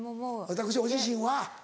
私お自身は？